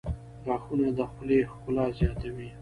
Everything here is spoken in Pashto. • غاښونه د خولې ښکلا زیاتوي.